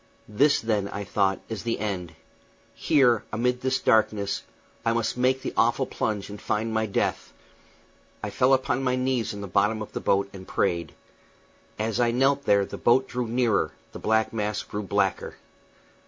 This, then, I thought, is the end. Here, amid this darkness, I must make the awful plunge and find my death I fell upon my knees in the bottom of the boat and prayed. As I knelt there the boat drew nearer, the black mass grew blacker.